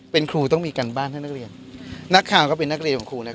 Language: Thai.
เป็นครูต้องมีการบ้านให้นักเรียนนักข่าวก็เป็นนักเรียนของครูแล้ว